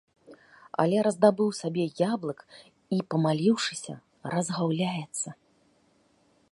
Але раздабыў сабе яблык і, памаліўшыся, разгаўляецца.